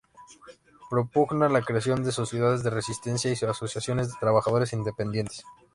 Propugna la creación de sociedades de resistencia y asociaciones de trabajadores independientes.